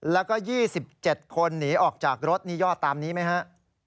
แล้วก็๒๗คนหนีออกจากรถนี่ยอดตามนี้ไหมฮะ